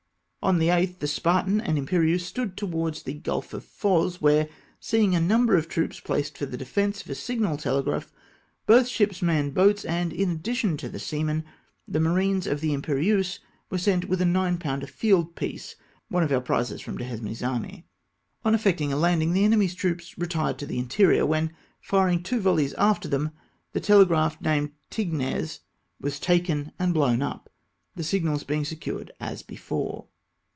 On the 8th the Spartan and Imperieuse stood to wards the Gulf of Foz, where, seeing a number of troops placed for the defence of a signal telegraph, both ships manned boats, and in addition to the seamen, the marines of the Imperieuse were sent with a nine pounder field piece — one of our prizes from Duhesme's army. On effecting a landing, the enemy's troops re tired to the interior, when, firing two volleys after them, the telegraph named Tignes was taken and blown up, the signals being secured as before.